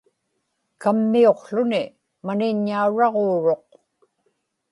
kammiuqłuni maniññauraġuu-ruq